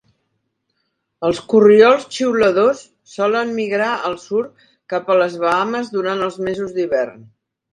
Els corriols xiuladors solen migrar al sud cap a les Bahames durant els mesos d'hivern.